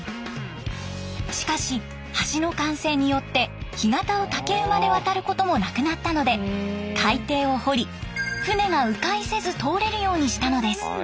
しかし橋の完成によって干潟を竹馬で渡ることもなくなったので海底を掘り船がう回せず通れるようにしたのです。